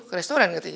ke restoran katanya